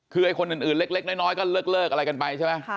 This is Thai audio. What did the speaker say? คือไอ้คนอื่นเล็กน้อยก็เลิกอะไรกันไปใช่ไหม